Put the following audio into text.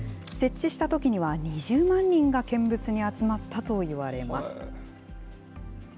設置したときには２０万人が見物に集まったといわれます。